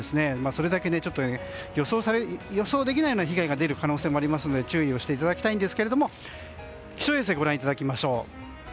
それだけ予想できないような被害が出る可能性もあるので注意していただきたいんですけれども気象衛星ご覧いただきましょう。